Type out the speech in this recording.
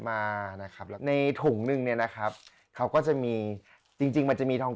มานะครับแล้วในถุงนึงเนี่ยนะครับเขาก็จะมีจริงจริงมันจะมีทอง